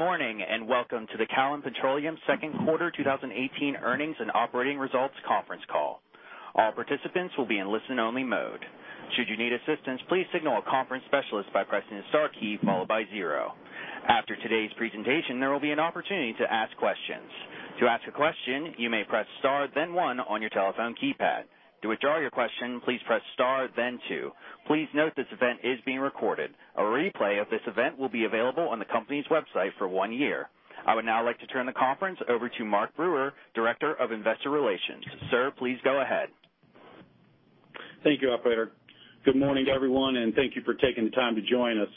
Good morning, welcome to the Callon Petroleum second quarter 2018 earnings and operating results conference call. All participants will be in listen-only mode. Should you need assistance, please signal a conference specialist by pressing the star key followed by zero. After today's presentation, there will be an opportunity to ask questions. To ask a question, you may press star then one on your telephone keypad. To withdraw your question, please press star then two. Please note this event is being recorded. A replay of this event will be available on the company's website for one year. I would now like to turn the conference over to Mark Brewer, Director of Investor Relations. Sir, please go ahead. Thank you, operator. Good morning, everyone, thank you for taking the time to join us.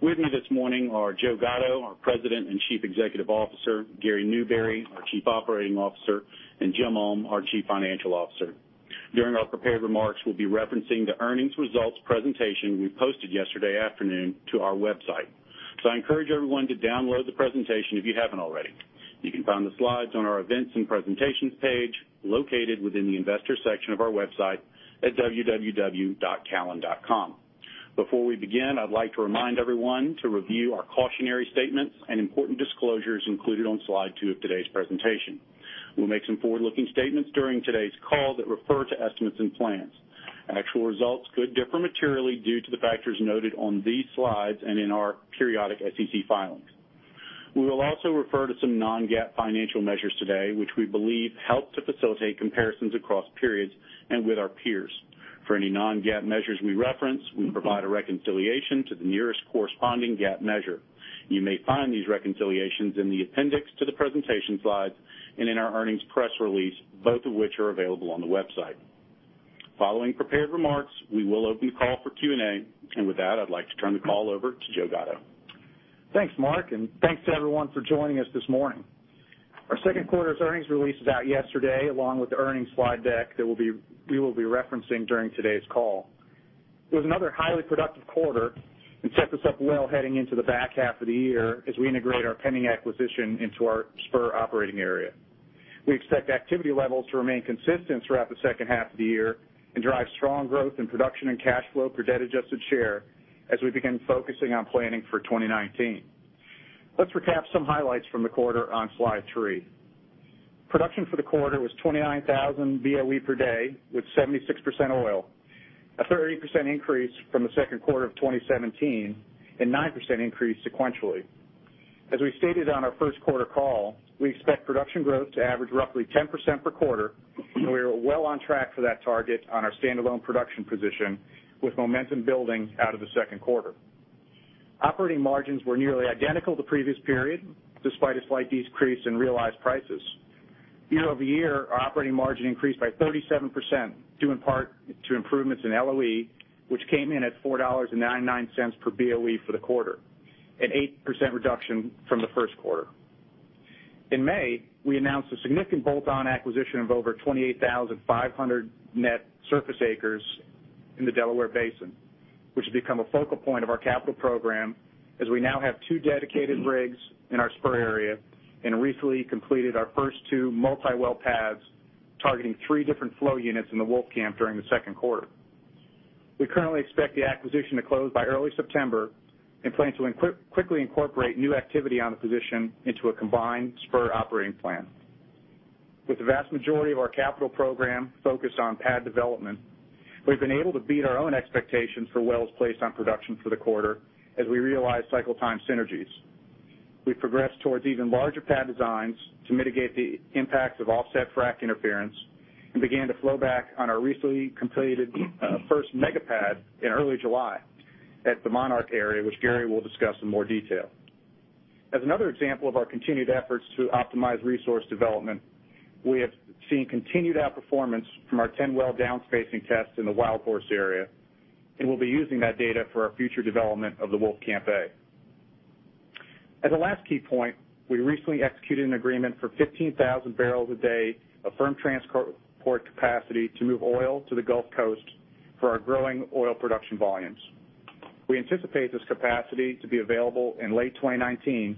With me this morning are Joe Gatto, our President and Chief Executive Officer; Gary Newberry, our Chief Operating Officer; and Jim Ulm, our Chief Financial Officer. During our prepared remarks, we'll be referencing the earnings results presentation we posted yesterday afternoon to our website. I encourage everyone to download the presentation if you haven't already. You can find the slides on our Events and Presentations page, located within the Investors section of our website at www.callon.com. Before we begin, I'd like to remind everyone to review our cautionary statements and important disclosures included on slide two of today's presentation. We'll make some forward-looking statements during today's call that refer to estimates and plans. Actual results could differ materially due to the factors noted on these slides and in our periodic SEC filings. We will also refer to some non-GAAP financial measures today, which we believe help to facilitate comparisons across periods and with our peers. For any non-GAAP measures we reference, we provide a reconciliation to the nearest corresponding GAAP measure. You may find these reconciliations in the appendix to the presentation slides and in our earnings press release, both of which are available on the website. Following prepared remarks, we will open the call for Q&A. With that, I'd like to turn the call over to Joe Gatto. Thanks, Mark, thanks to everyone for joining us this morning. Our second quarter's earnings release was out yesterday, along with the earnings slide deck that we will be referencing during today's call. It was another highly productive quarter and sets us up well heading into the back half of the year as we integrate our pending acquisition into our Spur operating area. We expect activity levels to remain consistent throughout the second half of the year and drive strong growth in production and cash flow per debt-adjusted share as we begin focusing on planning for 2019. Let's recap some highlights from the quarter on slide three. Production for the quarter was 29,000 BOE per day, with 76% oil, a 30% increase from the second quarter of 2017, 9% increase sequentially. As we stated on our first quarter call, we expect production growth to average roughly 10% per quarter, and we are well on track for that target on our standalone production position, with momentum building out of the second quarter. Operating margins were nearly identical to previous period, despite a slight decrease in realized prices. Year-over-year, our operating margin increased by 37%, due in part to improvements in LOE, which came in at $4.99 per BOE for the quarter, an 8% reduction from the first quarter. In May, we announced a significant bolt-on acquisition of over 28,500 net surface acres in the Delaware Basin, which has become a focal point of our capital program, as we now have two dedicated rigs in our Spur area and recently completed our first two multi-well pads targeting three different flow units in the Wolfcamp during the second quarter. We currently expect the acquisition to close by early September and plan to quickly incorporate new activity on the position into a combined Spur operating plan. With the vast majority of our capital program focused on pad development, we've been able to beat our own expectations for wells placed on production for the quarter as we realize cycle time synergies. We've progressed towards even larger pad designs to mitigate the impact of offset frac interference and began to flow back on our recently completed first mega pad in early July at the Moran area, which Gary will discuss in more detail. As another example of our continued efforts to optimize resource development, we have seen continued outperformance from our 10-well down-spacing tests in the Wildhorse area, and we'll be using that data for our future development of the Wolfcamp A. As a last key point, we recently executed an agreement for 15,000 barrels a day of firm transport capacity to move oil to the Gulf Coast for our growing oil production volumes. We anticipate this capacity to be available in late 2019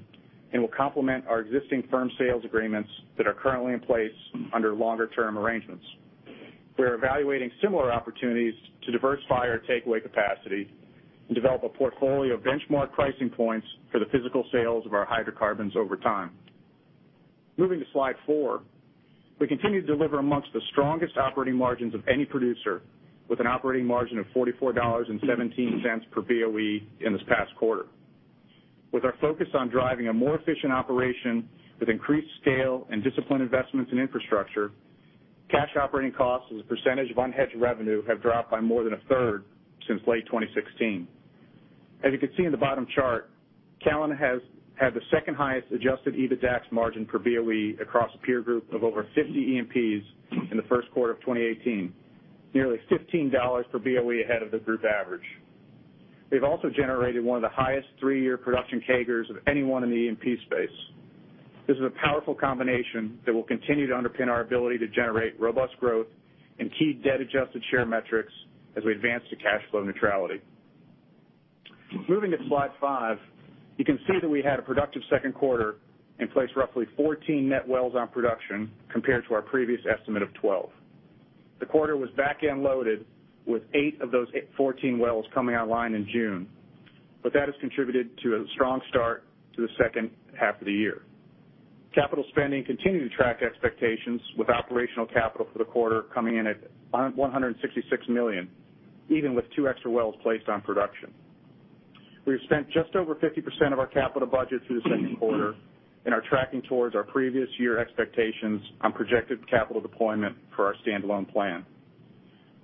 and will complement our existing firm sales agreements that are currently in place under longer-term arrangements. We are evaluating similar opportunities to diversify our takeaway capacity and develop a portfolio of benchmark pricing points for the physical sales of our hydrocarbons over time. Moving to slide four, we continue to deliver amongst the strongest operating margins of any producer, with an operating margin of $44.17 per BOE in this past quarter. With our focus on driving a more efficient operation with increased scale and disciplined investments in infrastructure, cash operating costs as a percentage of unhedged revenue have dropped by more than a third since late 2016. As you can see in the bottom chart, Callon has had the second highest adjusted EBITDAX margin per BOE across a peer group of over 50 E&Ps in the first quarter of 2018, nearly $15 per BOE ahead of the group average. We've also generated one of the highest three-year production CAGRs of anyone in the E&P space. This is a powerful combination that will continue to underpin our ability to generate robust growth and key debt-adjusted share metrics as we advance to cash flow neutrality. Moving to slide five, you can see that we had a productive second quarter and placed roughly 14 net wells on production compared to our previous estimate of 12. The quarter was back-end loaded with eight of those 14 wells coming online in June, but that has contributed to a strong start to the second half of the year. Capital spending continued to track expectations with operational capital for the quarter coming in at $166 million, even with two extra wells placed on production. We've spent just over 50% of our capital budget through the second quarter and are tracking towards our previous year expectations on projected capital deployment for our standalone plan.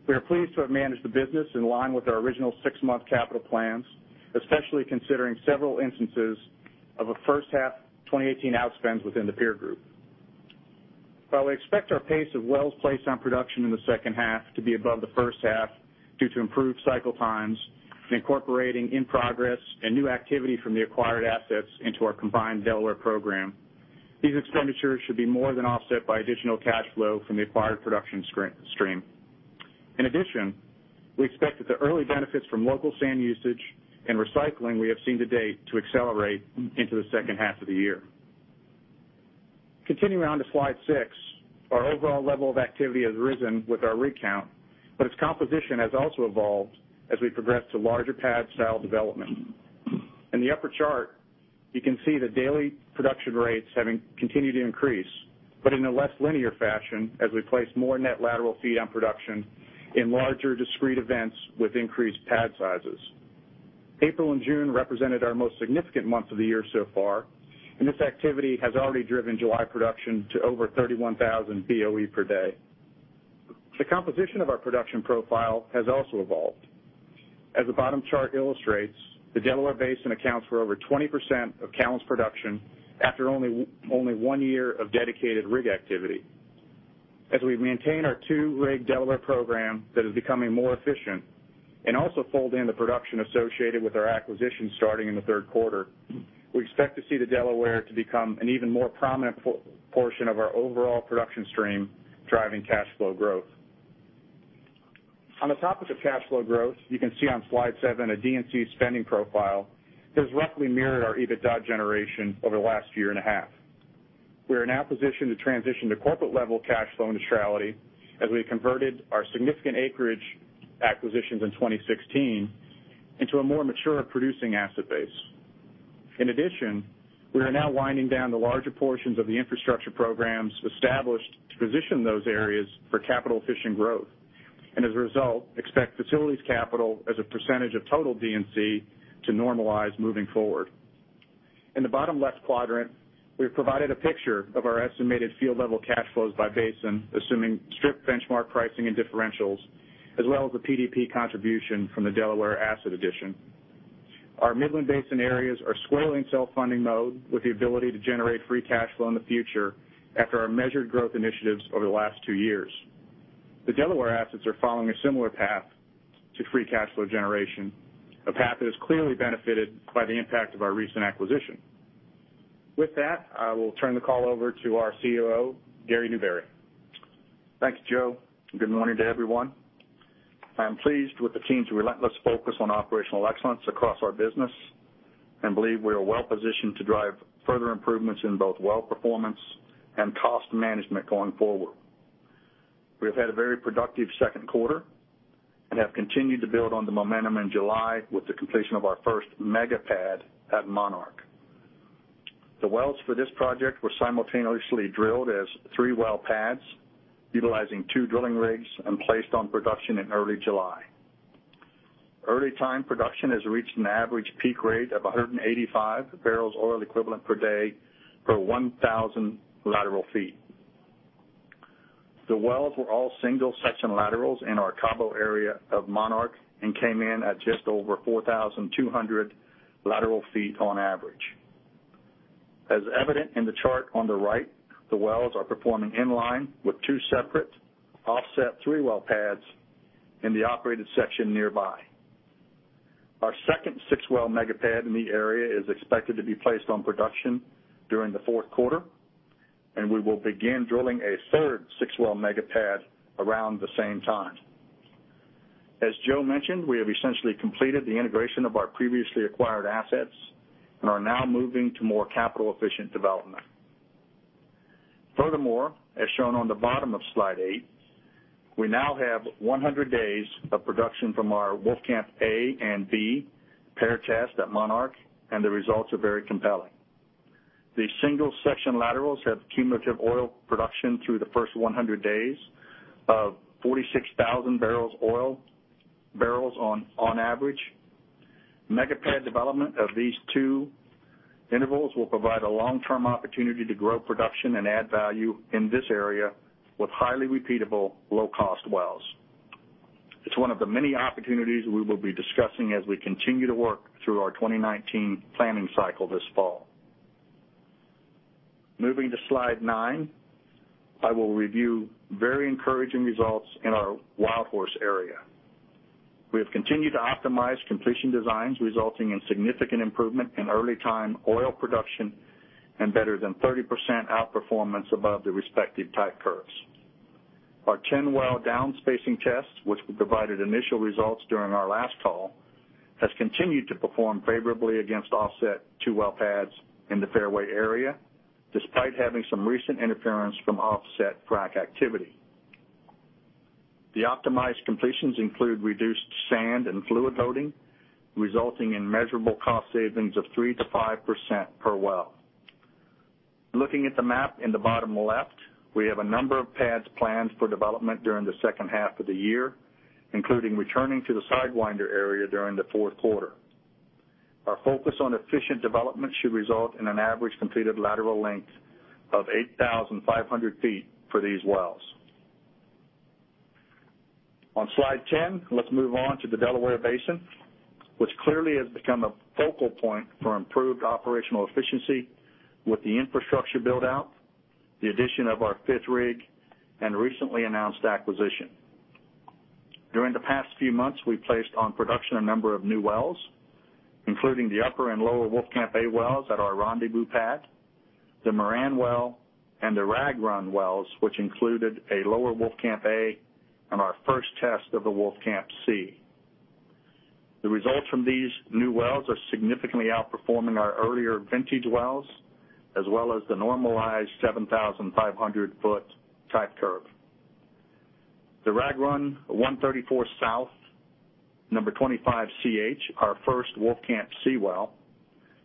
We are pleased to have managed the business in line with our original six-month capital plans, especially considering several instances of a first half 2018 outspends within the peer group. While we expect our pace of wells placed on production in the second half to be above the first half, due to improved cycle times and incorporating in-progress and new activity from the acquired assets into our combined Delaware program, these expenditures should be more than offset by additional cash flow from the acquired production stream. We expect that the early benefits from local sand usage and recycling we have seen to date to accelerate into the second half of the year. Continuing on to slide six, our overall level of activity has risen with our rig count, but its composition has also evolved as we progress to larger pad style development. In the upper chart, you can see the daily production rates having continued to increase, but in a less linear fashion as we place more net lateral feed on production in larger discrete events with increased pad sizes. April and June represented our most significant months of the year so far. This activity has already driven July production to over 31,000 BOE per day. The composition of our production profile has also evolved. As the bottom chart illustrates, the Delaware Basin accounts for over 20% of Callon's production after only one year of dedicated rig activity. As we maintain our two-rig Delaware program that is becoming more efficient and also fold in the production associated with our acquisition starting in the third quarter, we expect to see the Delaware to become an even more prominent portion of our overall production stream driving cash flow growth. On the topic of cash flow growth, you can see on slide seven a D&C spending profile that has roughly mirrored our EBITDA generation over the last year and a half. We are now positioned to transition to corporate level cash flow neutrality as we converted our significant acreage acquisitions in 2016 into a more mature producing asset base. We are now winding down the larger portions of the infrastructure programs established to position those areas for capital efficient growth, and as a result, expect facilities capital as a percentage of total D&C to normalize moving forward. In the bottom left quadrant, we have provided a picture of our estimated field-level cash flows by basin, assuming strip benchmark pricing and differentials, as well as the PDP contribution from the Delaware asset addition. Our Midland Basin areas are squarely in self-funding mode with the ability to generate free cash flow in the future after our measured growth initiatives over the last two years. The Delaware assets are following a similar path to free cash flow generation, a path that has clearly benefited by the impact of our recent acquisition. With that, I will turn the call over to our COO, Gary Newberry. Thanks, Joe, and good morning to everyone. I am pleased with the team's relentless focus on operational excellence across our business and believe we are well-positioned to drive further improvements in both well performance and cost management going forward. We have had a very productive second quarter and have continued to build on the momentum in July with the completion of our first mega pad at Monarch. The wells for this project were simultaneously drilled as 3 well pads utilizing 2 drilling rigs and placed on production in early July. Early time production has reached an average peak rate of 185 barrels oil equivalent per day per 1,000 lateral feet. The wells were all single section laterals in our Cabo area of Monarch and came in at just over 4,200 lateral feet on average. As evident in the chart on the right, the wells are performing in line with 2 separate offset 3 well pads in the operated section nearby. Our second 6-well mega pad in the area is expected to be placed on production during the fourth quarter, and we will begin drilling a third 6-well mega pad around the same time. As Joe mentioned, we have essentially completed the integration of our previously acquired assets and are now moving to more capital efficient development. Furthermore, as shown on the bottom of slide eight, we now have 100 days of production from our Wolfcamp A and B pair test at Monarch, and the results are very compelling. The single section laterals have cumulative oil production through the first 100 days of 46,000 barrels oil on average. Mega pad development of these 2 intervals will provide a long-term opportunity to grow production and add value in this area with highly repeatable, low-cost wells. It's one of the many opportunities we will be discussing as we continue to work through our 2019 planning cycle this fall. Moving to slide nine, I will review very encouraging results in our Wildhorse area. We have continued to optimize completion designs resulting in significant improvement in early time oil production and better than 30% outperformance above the respective type curves. Our 10-well down spacing test, which we provided initial results during our last call, has continued to perform favorably against offset 2 well pads in the Fairway area, despite having some recent interference from offset frac activity. The optimized completions include reduced sand and fluid loading, resulting in measurable cost savings of 3%-5% per well. Looking at the map in the bottom left, we have a number of pads planned for development during the second half of the year, including returning to the Sidewinder area during the fourth quarter. Our focus on efficient development should result in an average completed lateral length of 8,500 feet for these wells. On slide 10, let's move on to the Delaware Basin, which clearly has become a focal point for improved operational efficiency with the infrastructure build-out, the addition of our fifth rig, and recently announced acquisition. During the past few months, we placed on production a number of new wells, including the upper and lower Wolfcamp A wells at our Rendezvous pad, the Moran well, and the Rag Run wells, which included a lower Wolfcamp A on our first test of the Wolfcamp C. The results from these new wells are significantly outperforming our earlier vintage wells, as well as the normalized 7,500-foot type curve. The Rag Run 134 South number 25CH, our first Wolfcamp C well,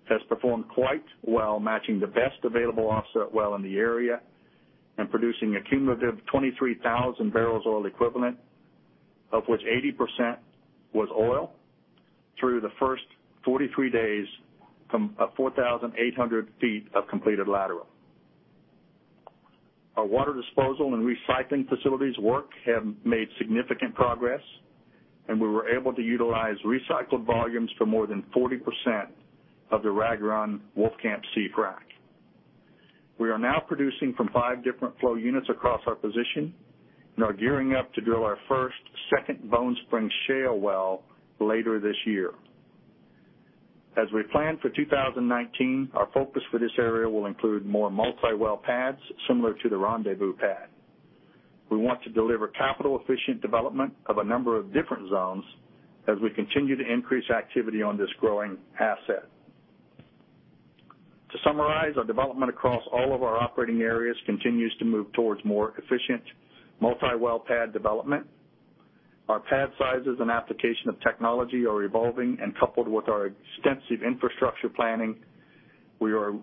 has performed quite well, matching the best available offset well in the area, and producing a cumulative 23,000 barrels oil equivalent, of which 80% was oil through the first 43 days from 4,800 feet of completed lateral. Our water disposal and recycling facilities work have made significant progress, and we were able to utilize recycled volumes for more than 40% of the Rag Run Wolfcamp C frac. We are now producing from five different flow units across our position and are gearing up to drill our first second Bone Spring Shale well later this year. As we plan for 2019, our focus for this area will include more multi-well pads, similar to the Rendezvous pad. We want to deliver capital-efficient development of a number of different zones as we continue to increase activity on this growing asset. To summarize, our development across all of our operating areas continues to move towards more efficient multi-well pad development. Our pad sizes and application of technology are evolving, and coupled with our extensive infrastructure planning, we are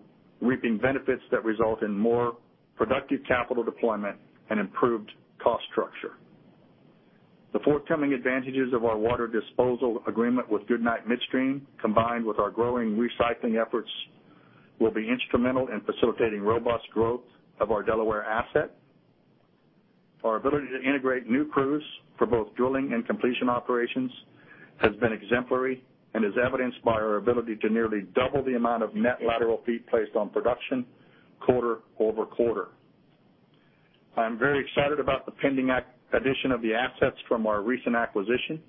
reaping benefits that result in more productive capital deployment and improved cost structure. The forthcoming advantages of our water disposal agreement with Goodnight Midstream, combined with our growing recycling efforts, will be instrumental in facilitating robust growth of our Delaware asset. Our ability to integrate new crews for both drilling and completion operations has been exemplary and is evidenced by our ability to nearly double the amount of net lateral feet placed on production quarter-over-quarter. I am very excited about the pending addition of the assets from our recent acquisition,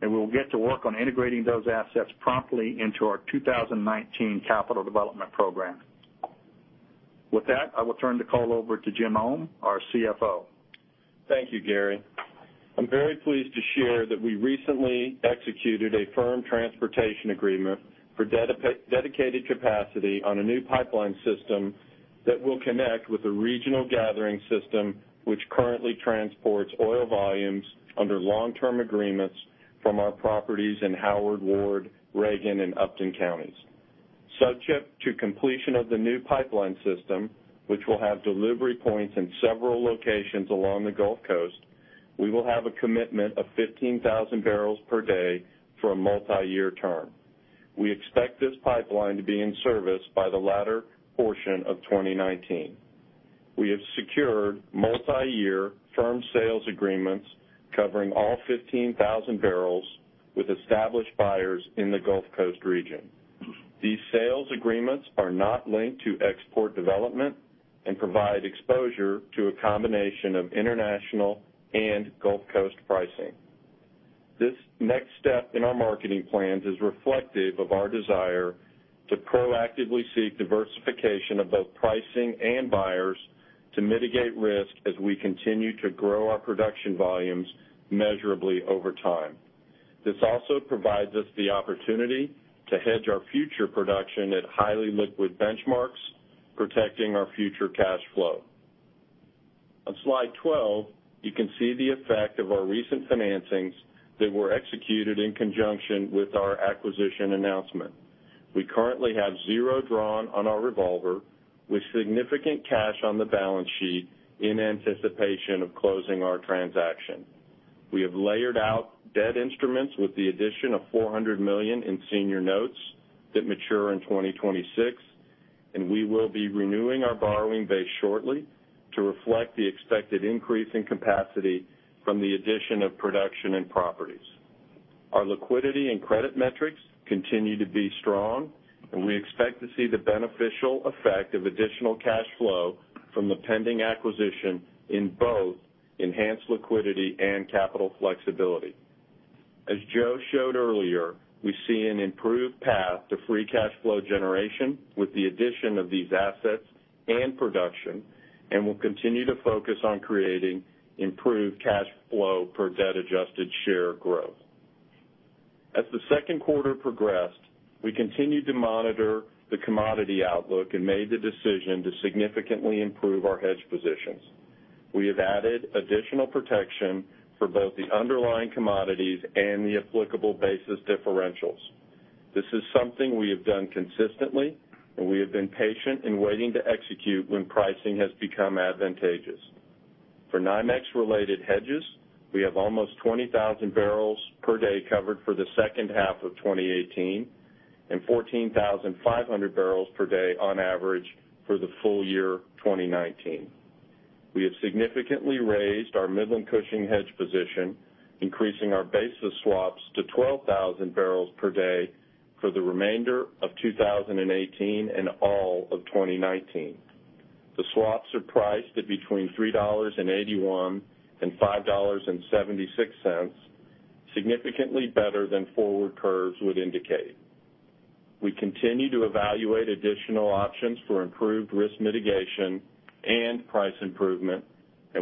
and we will get to work on integrating those assets promptly into our 2019 capital development program. With that, I will turn the call over to Jim Ulm, our CFO. Thank you, Gary. I am very pleased to share that we recently executed a firm transportation agreement for dedicated capacity on a new pipeline system that will connect with a regional gathering system which currently transports oil volumes under long-term agreements from our properties in Howard, Ward, Reagan, and Upton counties. Subject to completion of the new pipeline system, which will have delivery points in several locations along the Gulf Coast, we will have a commitment of 15,000 barrels per day for a multi-year term. We expect this pipeline to be in service by the latter portion of 2019. We have secured multi-year firm sales agreements covering all 15,000 barrels with established buyers in the Gulf Coast region. These sales agreements are not linked to export development and provide exposure to a combination of international and Gulf Coast pricing. This next step in our marketing plans is reflective of our desire to proactively seek diversification of both pricing and buyers to mitigate risk as we continue to grow our production volumes measurably over time. This also provides us the opportunity to hedge our future production at highly liquid benchmarks, protecting our future cash flow. On slide 12, you can see the effect of our recent financings that were executed in conjunction with our acquisition announcement. We currently have zero drawn on our revolver, with significant cash on the balance sheet in anticipation of closing our transaction. We have layered out debt instruments with the addition of $400 million in senior notes that mature in 2026. We will be renewing our borrowing base shortly to reflect the expected increase in capacity from the addition of production and properties. Our liquidity and credit metrics continue to be strong. We expect to see the beneficial effect of additional cash flow from the pending acquisition in both enhanced liquidity and capital flexibility. As Joe showed earlier, we see an improved path to free cash flow generation with the addition of these assets and production. We'll continue to focus on creating improved cash flow per debt adjusted share growth. As the second quarter progressed, we continued to monitor the commodity outlook and made the decision to significantly improve our hedge positions. We have added additional protection for both the underlying commodities and the applicable basis differentials. This is something we have done consistently. We have been patient in waiting to execute when pricing has become advantageous. For NYMEX-related hedges, we have almost 20,000 barrels per day covered for the second half of 2018, and 14,500 barrels per day on average for the full year 2019. We have significantly raised our Midland-Cushing hedge position, increasing our basis swaps to 12,000 barrels per day for the remainder of 2018 and all of 2019. The swaps are priced at between $3.81 and $5.76, significantly better than forward curves would indicate. We continue to evaluate additional options for improved risk mitigation and price improvement.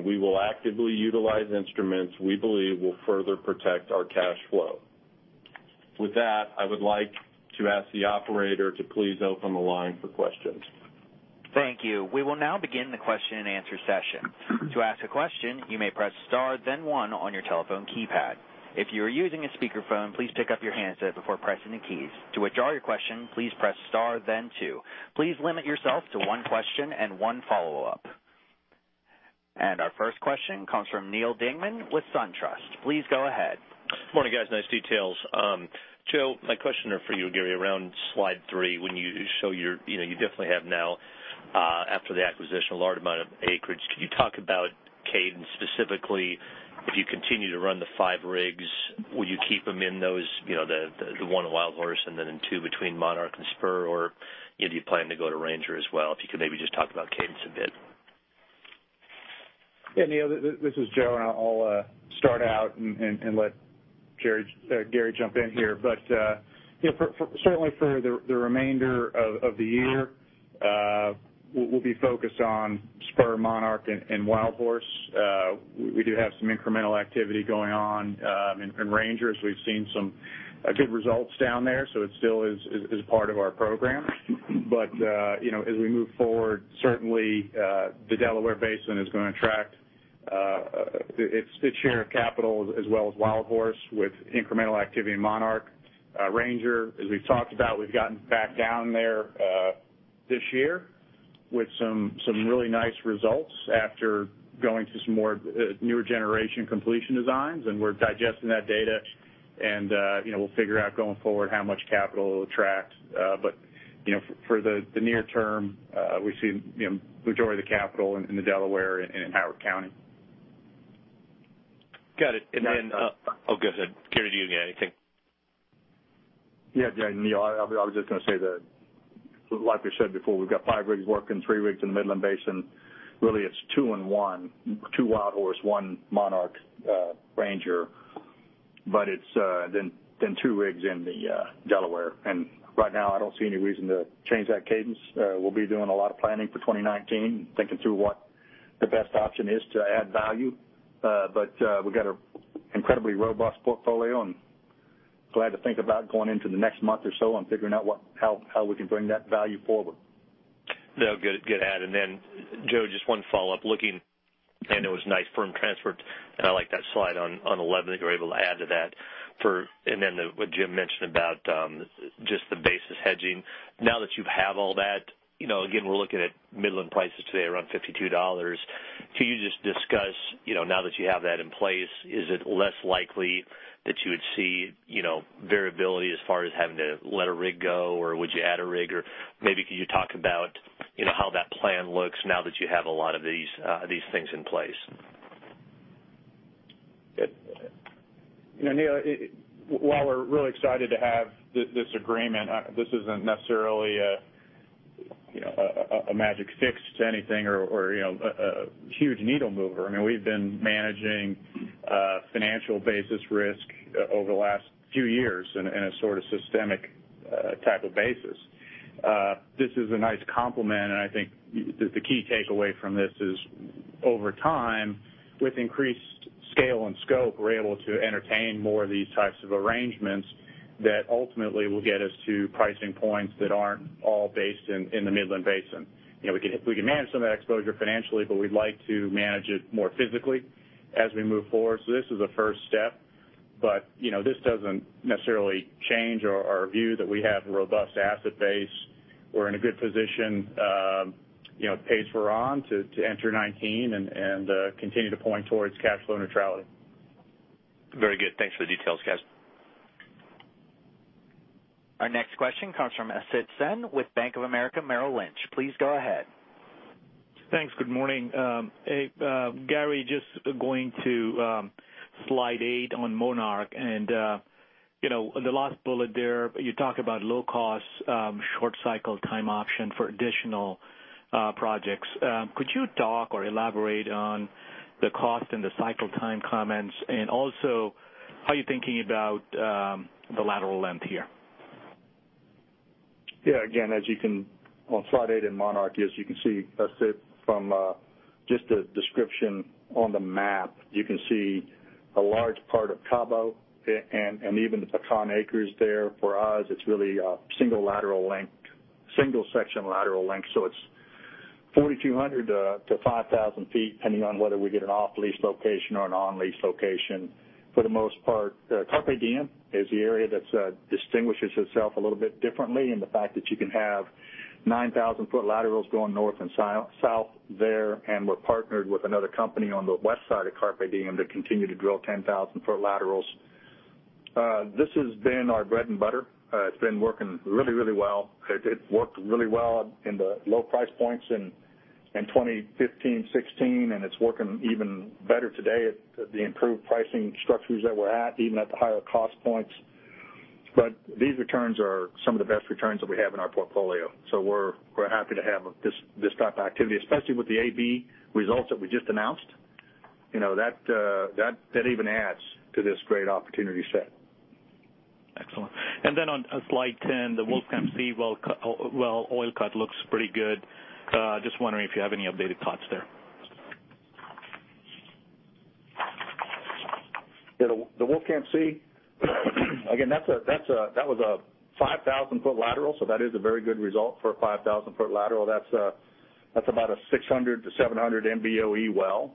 We will actively utilize instruments we believe will further protect our cash flow. With that, I would like to ask the operator to please open the line for questions. Thank you. We will now begin the question-and-answer session. To ask a question, you may press star then one on your telephone keypad. If you are using a speakerphone, please pick up your handset before pressing the keys. To withdraw your question, please press star then two. Please limit yourself to one question and one follow-up. Our first question comes from Neal Dingmann with SunTrust. Please go ahead. Morning, guys. Nice details. Joe, my question are for you, Gary, around slide three, when you show you definitely have now after the acquisition, a large amount of acreage. Can you talk about cadence specifically, if you continue to run the five rigs, will you keep them in those, the one in Wildhorse and then in two between Monarch and Spur? Or do you plan to go to Ranger as well? If you could maybe just talk about cadence a bit. Yeah, Neal, this is Joe, I'll start out and let Gary jump in here. Certainly for the remainder of the year, we'll be focused on Spur, Monarch, and Wildhorse. We do have some incremental activity going on in Ranger, as we've seen some good results down there, so it still is part of our program. As we move forward, certainly the Delaware Basin is going to attract its share of capital as well as Wildhorse with incremental activity in Monarch. Ranger, as we've talked about, we've gotten back down there this year with some really nice results after going to some more newer generation completion designs, and we're digesting that data and we'll figure out going forward how much capital it'll attract. For the near term, we've seen majority of the capital in the Delaware and in Howard County. Got it. Go ahead. Gary, do you have anything? Yeah, Neal, I was just going to say that, like we said before, we've got five rigs working, three rigs in the Midland Basin. Really, it's two and one, two Wildhorse, one Monarch, Ranger, but it's then two rigs in the Delaware. Right now, I don't see any reason to change that cadence. We'll be doing a lot of planning for 2019, thinking through what the best option is to add value. We've got an incredibly robust portfolio and glad to think about going into the next month or so on figuring out how we can bring that value forward. No, good add. Joe, just one follow-up. Looking, it was nice firm transfer, and I like that slide on 11 that you were able to add to that. What Jim mentioned about just the basis hedging. Now that you have all that, again, we're looking at Midland prices today around $52, can you just discuss, now that you have that in place, is it less likely that you would see variability as far as having to let a rig go, or would you add a rig? Maybe could you talk about how that plan looks now that you have a lot of these things in place? Neal, while we're really excited to have this agreement, this isn't necessarily a magic fix to anything or a huge needle mover. We've been managing financial basis risk over the last few years in a sort of systemic type of basis. This is a nice complement, I think the key takeaway from this is over time, with increased scale and scope, we're able to entertain more of these types of arrangements that ultimately will get us to pricing points that aren't all based in the Midland Basin. We can manage some of that exposure financially, we'd like to manage it more physically as we move forward. This is a first step, but this doesn't necessarily change our view that we have a robust asset base. We're in a good position pace we're on to enter 2019 and continue to point towards cash flow neutrality. Very good. Thanks for the details, guys. Our next question comes from Asit Sen with Bank of America Merrill Lynch. Please go ahead. Thanks. Good morning. Hey, Gary, just going to slide eight on Monarch. In the last bullet there, you talk about low cost, short cycle time option for additional projects. Could you talk or elaborate on the cost and the cycle time comments, and also how are you thinking about the lateral length here? Yeah. Again, on slide eight in Monarch, as you can see, from just a description on the map, you can see a large part of Cabo and even the Pecan Acres there. For us, it's really a single section lateral length, so it's 4,200 to 5,000 feet, depending on whether we get an off-lease location or an on-lease location. For the most part, Carpe Diem is the area that distinguishes itself a little bit differently in the fact that you can have 9,000-foot laterals going north and south there. We're partnered with another company on the west side of Carpe Diem to continue to drill 10,000-foot laterals. This has been our bread and butter. It's been working really well. It worked really well in the low price points in 2015 and 2016. It's working even better today at the improved pricing structures that we're at, even at the higher cost points. These returns are some of the best returns that we have in our portfolio. We're happy to have this type of activity, especially with the AB results that we just announced. That even adds to this great opportunity set. Excellent. On slide 10, the Wolfcamp C well oil cut looks pretty good. Just wondering if you have any updated thoughts there. Yeah. The Wolfcamp C, again, that was a 5,000-foot lateral, that is a very good result for a 5,000-foot lateral. That's about a 600 to 700 MBOE well,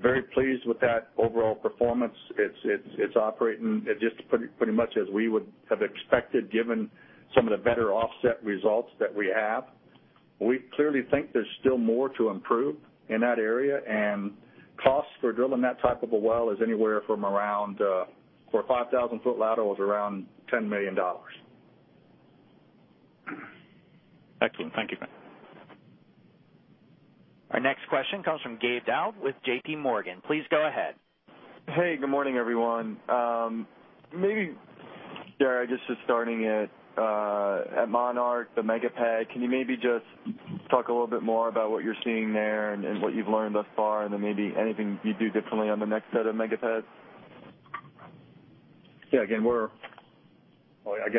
very pleased with that overall performance. It's operating just pretty much as we would have expected, given some of the better offset results that we have. We clearly think there's still more to improve in that area, costs for drilling that type of a well is anywhere from around, for a 5,000-foot lateral, is around $10 million. Excellent. Thank you. Our next question comes from Gabe Daoud with J.P. Morgan. Please go ahead. Hey, good morning, everyone. Maybe, Gary, just starting at Monarch, the mega pad, can you maybe just talk a little bit more about what you're seeing there and what you've learned thus far, then maybe anything you'd do differently on the next set of mega pads? Yeah. Again,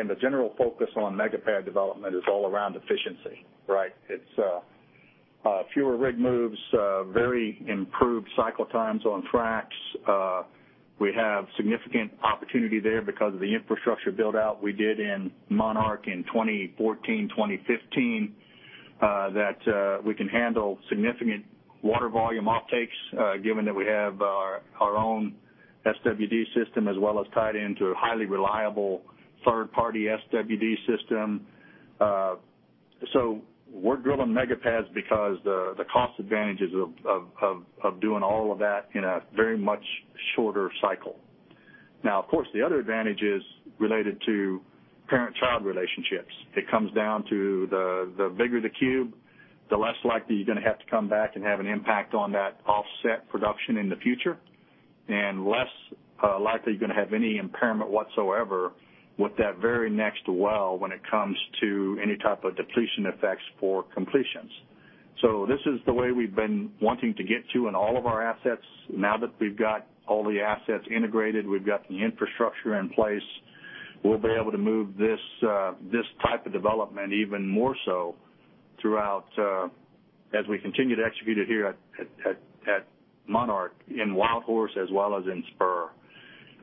the general focus on mega pad development is all around efficiency, right? It's fewer rig moves, very improved cycle times on tracks. We have significant opportunity there because of the infrastructure build-out we did in Monarch in 2014, 2015, that we can handle significant water volume offtakes, given that we have our own SWD system, as well as tied into a highly reliable third-party SWD system. We're drilling mega pads because the cost advantages of doing all of that in a very much shorter cycle. Of course, the other advantage is related to parent-child relationships. It comes down to the bigger the cube, the less likely you're going to have to come back and have an impact on that offset production in the future, and less likely you're going to have any impairment whatsoever with that very next well when it comes to any type of depletion effects for completions. This is the way we've been wanting to get to in all of our assets. Now that we've got all the assets integrated, we've got the infrastructure in place, we'll be able to move this type of development even more so throughout, as we continue to execute it here at Monarch in Wildhorse, as well as in Spur.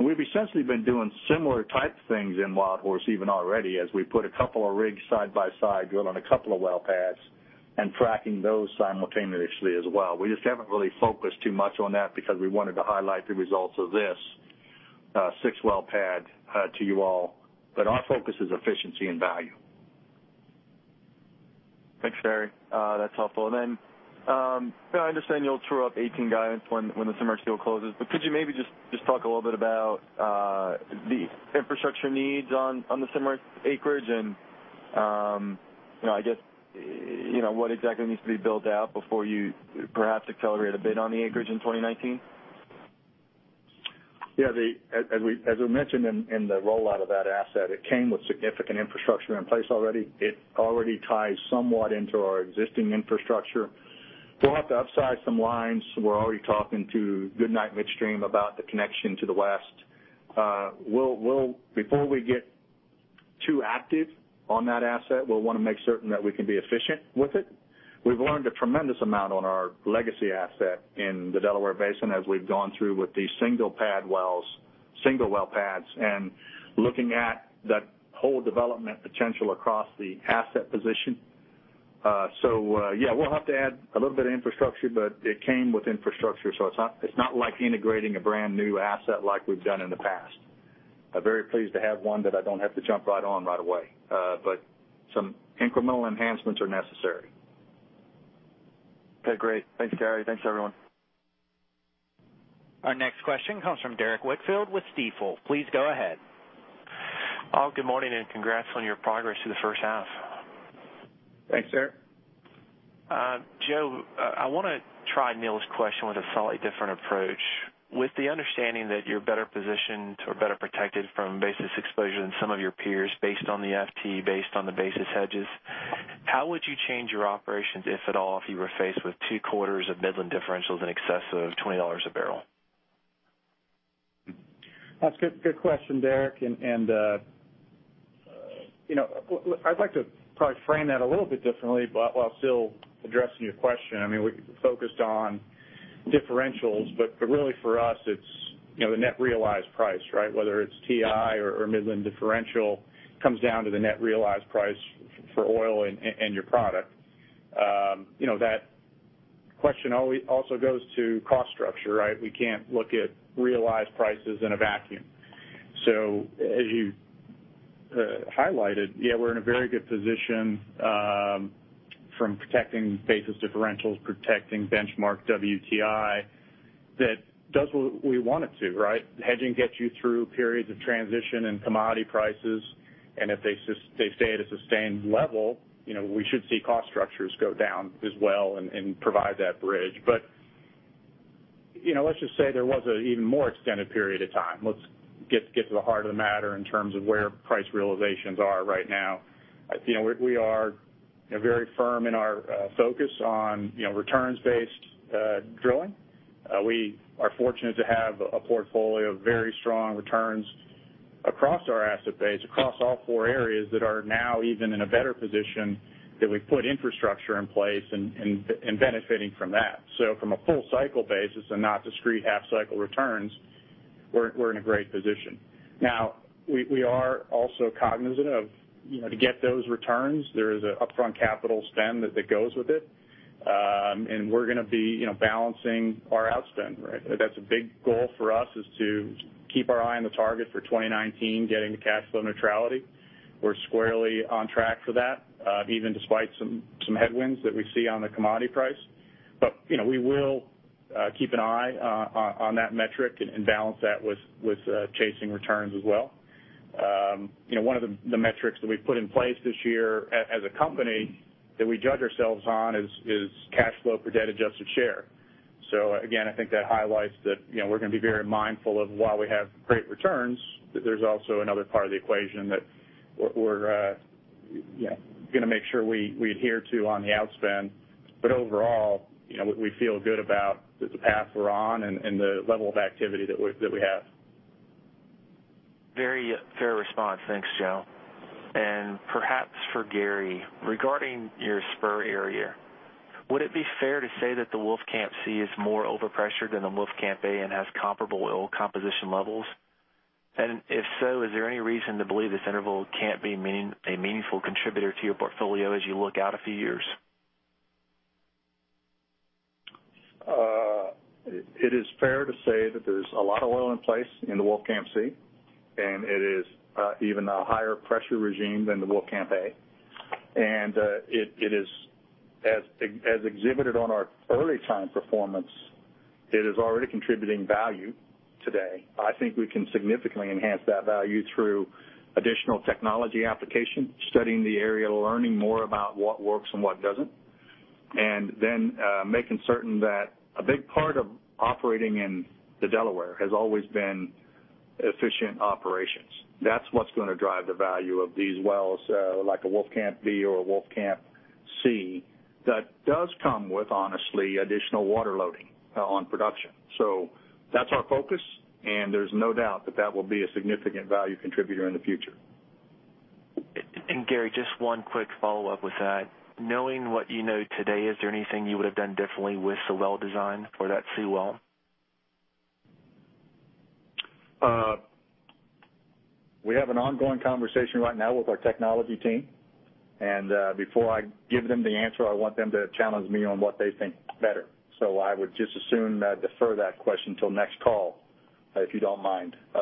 We've essentially been doing similar type things in Wildhorse even already, as we put a couple of rigs side by side, drilling a couple of well pads, and tracking those simultaneously as well. We just haven't really focused too much on that because we wanted to highlight the results of this six-well pad to you all. Our focus is efficiency and value. Thanks, Gary. That's helpful. I understand you'll throw up 18 guidance when the Cimarex deal closes, but could you maybe just talk a little bit about the infrastructure needs on the Cimarex acreage and, I guess, what exactly needs to be built out before you perhaps accelerate a bid on the acreage in 2019? Yeah. As we mentioned in the rollout of that asset, it came with significant infrastructure in place already. It already ties somewhat into our existing infrastructure. We'll have to upsize some lines. We're already talking to Goodnight Midstream about the connection to the west. Before we get too active on that asset, we'll want to make certain that we can be efficient with it. We've learned a tremendous amount on our legacy asset in the Delaware Basin as we've gone through with these single well pads and looking at that whole development potential across the asset position. Yeah, we'll have to add a little bit of infrastructure, but it came with infrastructure, so it's not like integrating a brand new asset like we've done in the past. I'm very pleased to have one that I don't have to jump right on right away. Some incremental enhancements are necessary. Okay, great. Thanks, Gary. Thanks, everyone. Our next question comes from Derrick Whitfield with Stifel. Please go ahead. Good morning, congrats on your progress through the first half. Thanks, Derrick. Joe, I want to try Neal's question with a slightly different approach. With the understanding that you're better positioned or better protected from basis exposure than some of your peers based on the FT, based on the basis hedges, how would you change your operations, if at all, if you were faced with two quarters of Midland differentials in excess of $20 a barrel? That's a good question, Derrick. I'd like to probably frame that a little bit differently, while still addressing your question. We focused on differentials, but really for us, it's the net realized price, right? Whether it's WTI or Midland differential, comes down to the net realized price for oil and your product. That question also goes to cost structure, right? We can't look at realized prices in a vacuum. As you highlighted, yeah, we're in a very good position from protecting basis differentials, protecting benchmark WTI. That does what we want it to, right? Hedging gets you through periods of transition and commodity prices, and if they stay at a sustained level, we should see cost structures go down as well and provide that bridge. Let's just say there was an even more extended period of time. Let's get to the heart of the matter in terms of where price realizations are right now. We are very firm in our focus on returns-based drilling. We are fortunate to have a portfolio of very strong returns across our asset base, across all four areas that are now even in a better position that we've put infrastructure in place and benefiting from that. From a full cycle basis and not discrete half cycle returns, we're in a great position. Now, we are also cognizant of to get those returns, there is an upfront capital spend that goes with it. We're going to be balancing our outspend. That's a big goal for us, is to keep our eye on the target for 2019, getting to cash flow neutrality. We're squarely on track for that, even despite some headwinds that we see on the commodity price. We will keep an eye on that metric and balance that with chasing returns as well. One of the metrics that we've put in place this year as a company that we judge ourselves on is cash flow per debt-adjusted share. Again, I think that highlights that we're going to be very mindful of while we have great returns, that there's also another part of the equation that we're going to make sure we adhere to on the outspend. Overall, we feel good about the path we're on and the level of activity that we have. Very fair response. Thanks, Joe. Perhaps for Gary, regarding your Spur area, would it be fair to say that the Wolfcamp C is more overpressured than the Wolfcamp A and has comparable oil composition levels? If so, is there any reason to believe this interval can't be a meaningful contributor to your portfolio as you look out a few years? It is fair to say that there's a lot of oil in place in the Wolfcamp C, it is even a higher pressure regime than the Wolfcamp A. As exhibited on our early time performance, it is already contributing value today. I think we can significantly enhance that value through additional technology application, studying the area, learning more about what works and what doesn't, then making certain that a big part of operating in the Delaware has always been efficient operations. That's what's going to drive the value of these wells, like a Wolfcamp B or a Wolfcamp C, that does come with, honestly, additional water loading on production. That's our focus, and there's no doubt that that will be a significant value contributor in the future. Gary, just one quick follow-up with that. Knowing what you know today, is there anything you would have done differently with the well design for that C well? We have an ongoing conversation right now with our technology team, before I give them the answer, I want them to challenge me on what they think better. I would just as soon defer that question till next call, if you don't mind. Thanks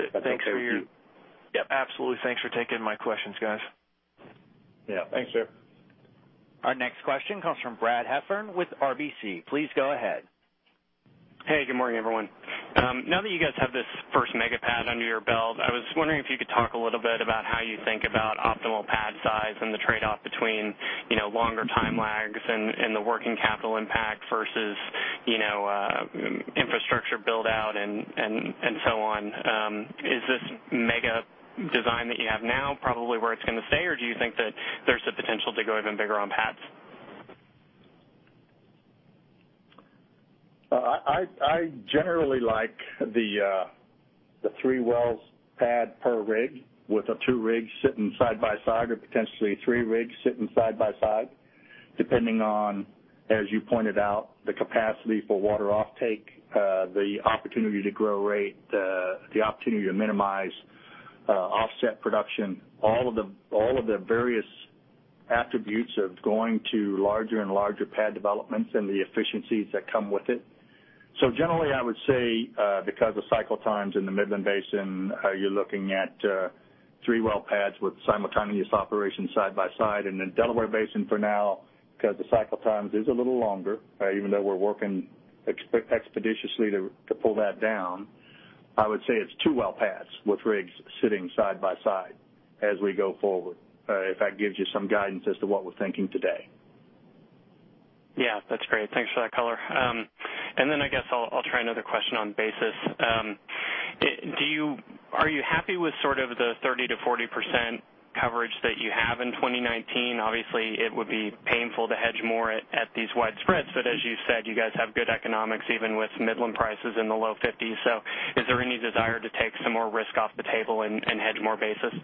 for your- That's okay with you? Yep, absolutely. Thanks for taking my questions, guys. Yeah. Thanks, Derrick. Our next question comes from Brad Heffern with RBC. Please go ahead. Hey, good morning, everyone. Now that you guys have this first mega-pad under your belt, I was wondering if you could talk a little bit about how you think about optimal pad size and the trade-off between longer time lags and the working capital impact versus infrastructure build-out and so on. Is this mega design that you have now probably where it's going to stay, or do you think that there's the potential to go even bigger on pads? I generally like the three wells pad per rig with the two rigs sitting side by side or potentially three rigs sitting side by side, depending on, as you pointed out, the capacity for water offtake, the opportunity to grow rate, the opportunity to minimize offset production, all of the various attributes of going to larger and larger pad developments and the efficiencies that come with it. Generally, I would say because of cycle times in the Midland Basin, you're looking at three well pads with simultaneous operations side by side. In Delaware Basin for now, because the cycle times is a little longer, even though we're working expeditiously to pull that down, I would say it's two well pads with rigs sitting side by side as we go forward, if that gives you some guidance as to what we're thinking today. Yeah, that's great. Thanks for that color. I guess I'll try another question on basis. Are you happy with sort of the 30%-40% coverage that you have in 2019? Obviously, it would be painful to hedge more at these wide spreads. As you said, you guys have good economics even with Midland prices in the low 50s. Is there any desire to take some more risk off the table and hedge more basis?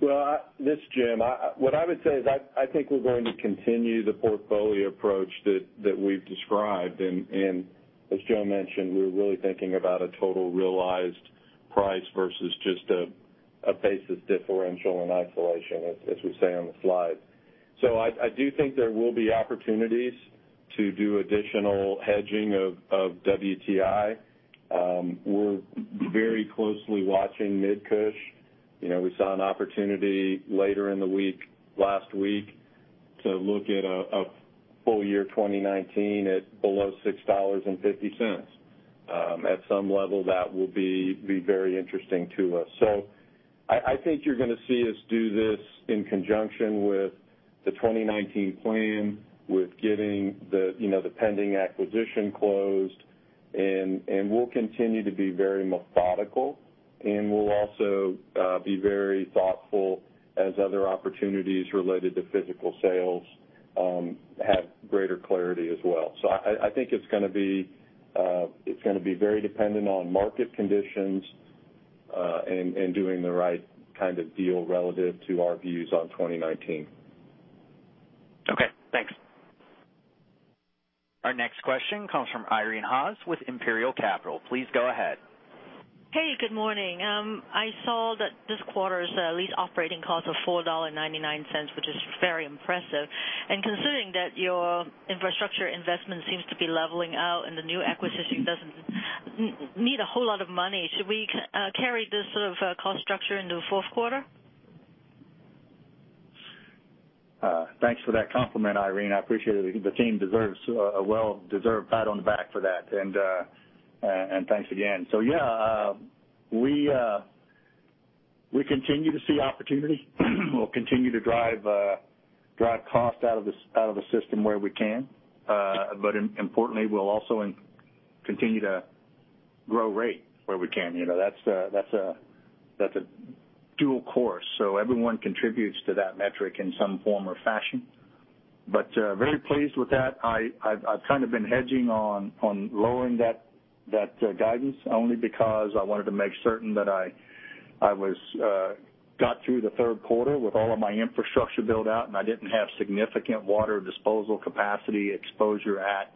Well, this is Jim. What I would say is I think we're going to continue the portfolio approach that we've described. As Joe mentioned, we're really thinking about a total realized price versus just a basis differential in isolation, as we say on the slide. I do think there will be opportunities to do additional hedging of WTI. We're very closely watching MidCush. We saw an opportunity later in the week, last week, to look at a full year 2019 at below $6.50. At some level, that will be very interesting to us. I think you're going to see us do this in conjunction with the 2019 plan, with getting the pending acquisition closed, and we'll continue to be very methodical, and we'll also be very thoughtful as other opportunities related to physical sales have greater clarity as well. I think it's going to be very dependent on market conditions and doing the right kind of deal relative to our views on 2019. Okay, thanks. Our next question comes from Irene Haas with Imperial Capital. Please go ahead. Hey, good morning. I saw that this quarter's lease operating cost of $4.99, which is very impressive. Considering that your infrastructure investment seems to be leveling out and the new acquisition doesn't need a whole lot of money, should we carry this sort of cost structure into the fourth quarter? Thanks for that compliment, Irene. I appreciate it. The team deserves a well-deserved pat on the back for that, thanks again. Yeah, we continue to see opportunity. We'll continue to drive cost out of the system where we can. Importantly, we'll also continue to grow rate where we can. That's a dual course, everyone contributes to that metric in some form or fashion. Very pleased with that. I've kind of been hedging on lowering that guidance only because I wanted to make certain that I got through the third quarter with all of my infrastructure build-out, I didn't have significant water disposal capacity exposure at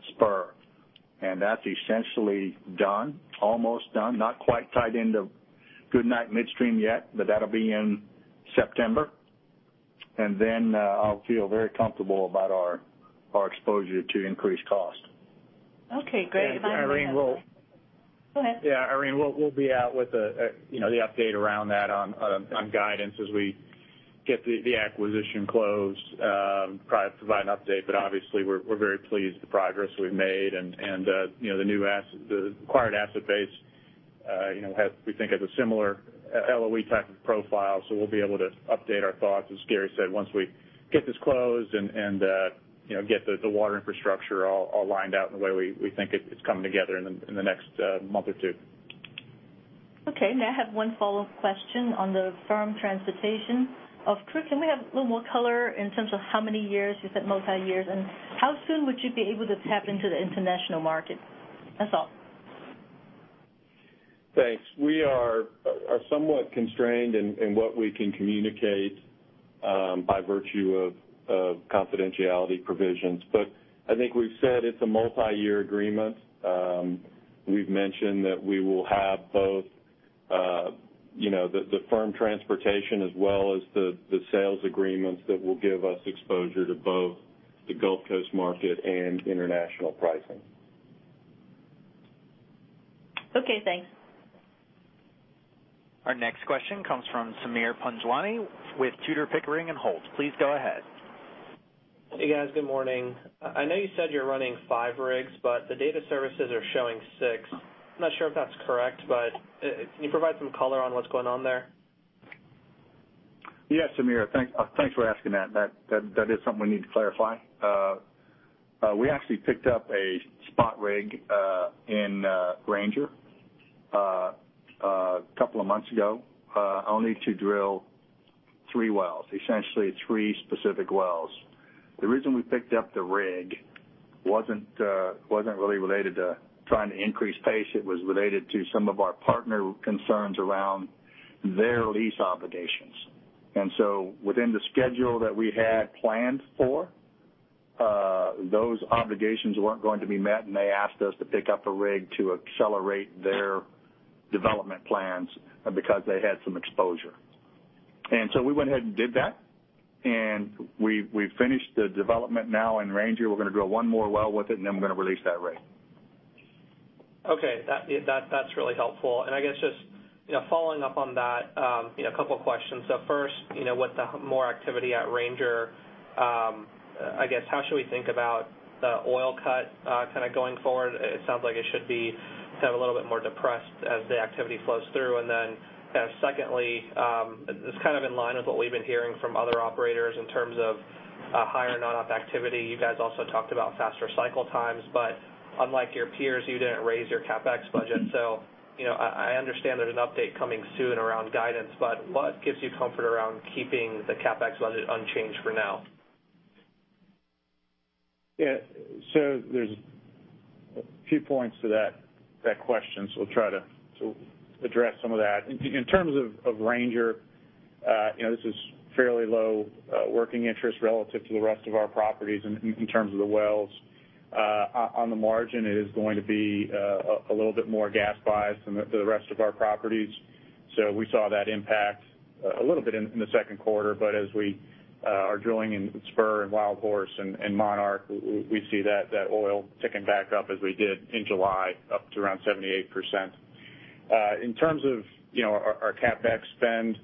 Spur. That's essentially done, almost done, not quite tied into Goodnight Midstream yet, that'll be in September. Then I'll feel very comfortable about our exposure to increased cost. Okay, great. If I may- Irene, Go ahead. Yeah, Irene, we'll be out with the update around that on guidance as we get the acquisition closed, probably provide an update. Obviously we're very pleased with the progress we've made and the acquired asset base we think has a similar LOE type of profile, so we'll be able to update our thoughts, as Gary said, once we get this closed and get the water infrastructure all lined out in the way we think it's coming together in the next month or two. Okay. Now I have one follow-up question on the firm transportation of crude. Can we have a little more color in terms of how many years? You said multi-years. How soon would you be able to tap into the international market? That's all. Thanks. We are somewhat constrained in what we can communicate by virtue of confidentiality provisions. I think we've said it's a multi-year agreement. We've mentioned that we will have both the firm transportation as well as the sales agreements that will give us exposure to both the Gulf Coast market and international pricing. Okay, thanks. Our next question comes from Sameer Panjwani with Tudor, Pickering, Holt & Co. Please go ahead. Hey, guys. Good morning. I know you said you're running five rigs, the data services are showing six. I'm not sure if that's correct, can you provide some color on what's going on there? Yes, Sameer, thanks for asking that. That is something we need to clarify. We actually picked up a spot rig in Ranger a couple of months ago only to drill 3 wells, essentially 3 specific wells. The reason we picked up the rig wasn't really related to trying to increase pace. It was related to some of our partner concerns around their lease obligations. Within the schedule that we had planned for, those obligations weren't going to be met, and they asked us to pick up a rig to accelerate their development plans because they had some exposure. We went ahead and did that, and we finished the development. In Ranger, we're going to drill one more well with it, and then we're going to release that rig. Okay. That's really helpful. I guess just following up on that, a couple of questions. First, with the more activity at Ranger, I guess, how should we think about the oil cut kind of going forward? It sounds like it should be kind of a little bit more depressed as the activity flows through. Then secondly, this is kind of in line with what we've been hearing from other operators in terms of higher non-op activity. You guys also talked about faster cycle times, but unlike your peers, you didn't raise your CapEx budget. I understand there's an update coming soon around guidance, but what gives you comfort around keeping the CapEx budget unchanged for now? Yeah. There's a few points to that question, we'll try to address some of that. In terms of Ranger, this is fairly low working interest relative to the rest of our properties in terms of the wells. On the margin, it is going to be a little bit more gas bias than the rest of our properties. We saw that impact a little bit in the 2nd quarter, but as we are drilling in Spur and Wildhorse and Monarch, we see that oil ticking back up as we did in July, up to around 78%. In terms of our CapEx spend,